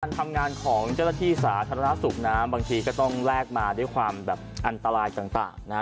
ถ้าทำงานของเจฬธิสาธารสุขนามบางทีก็ต้องแลกมาด้วยความอันตรายต่าง